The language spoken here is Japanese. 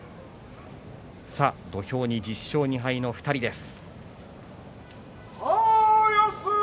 土俵に１０勝２敗の２人です。